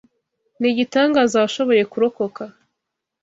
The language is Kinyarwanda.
Nigitangaza washoboye kurokoka.